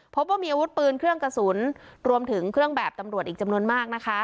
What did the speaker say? พบว่ามีอาวุธปืนเครื่องกระสุนรวมถึงเครื่องแบบตำรวจอีกจำนวนมากนะคะ